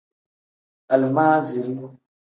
Alimaaziri.